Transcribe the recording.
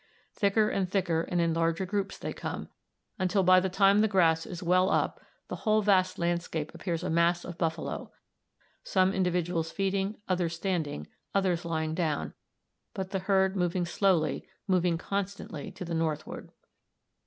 Thicker and thicker and in larger groups they come, until by the time the grass is well up the whole vast landscape appears a mass of buffalo, some individuals feeding, others standing, others lying down, but the herd moving slowly, moving constantly to the northward.